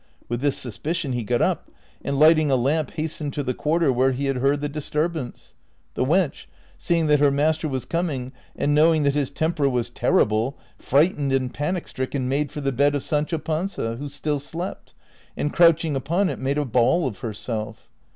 With this suspicion he got up, and light ing a lamp hastened to the quarter where he had heard the disturbance. The wench, seeing that her master was coming and knowing that his temper was terrible, frightened and panic stricken made for the bed of Sancho Panza, who still slept,^ and crouching upon it made a ball of herself.